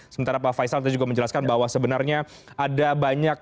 sementara pak faisal tadi juga menjelaskan bahwa sebenarnya ada banyak